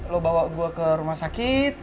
lo bawa gue ke rumah sakit